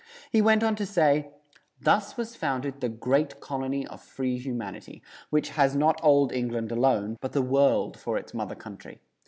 He went on to say: Thus was founded the great colony of free humanity, which has not old England alone, but the world for its mother country.